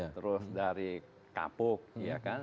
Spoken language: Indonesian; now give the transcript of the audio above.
terus dari kapuk ya kan